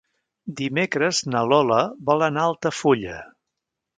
Dimecres na Lola vol anar a Altafulla.